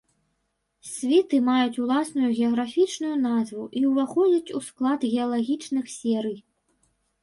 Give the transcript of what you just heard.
Світы маюць уласную геаграфічную назву і ўваходзяць у склад геалагічных серый.